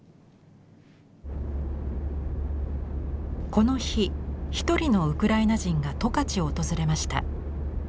この日一人のウクライナ人が十勝を訪れました。